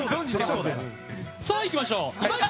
さあ、いきましょう！